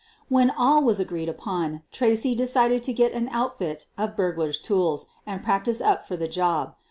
When all was agreed upon, Tracy decided to get an outfit of burglar's tools and practice up for the job.